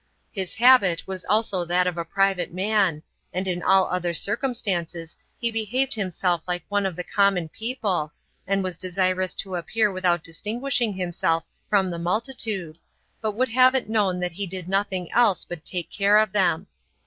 His habit was also that of a private man, and in all other circumstances he behaved himself like one of the common people, and was desirous to appear without distinguishing himself from the multitude, but would have it known that he did nothing else but take care of them.